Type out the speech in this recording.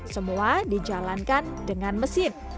semua dijalankan dengan mesin